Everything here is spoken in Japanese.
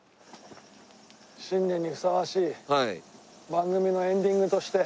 新年にふさわしい番組のエンディングとして。